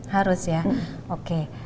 harus ya oke